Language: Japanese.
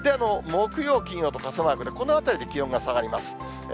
木曜、金曜と傘マークで、このあたりで気温が下がります。